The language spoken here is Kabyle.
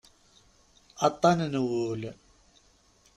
Aṭṭan n wul.